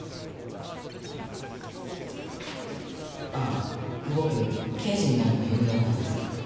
あっ僕刑事になるの夢だったんです。